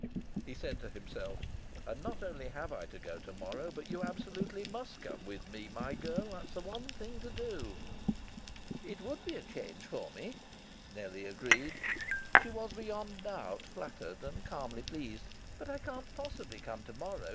(He said to himself, "And not only have I to go to morrow, but you absolutely must come with me, my girl. That's the one thing to do.") "It would be a change for me," Nellie agreed she was beyond doubt flattered and calmly pleased. "But I can't possibly come to morrow.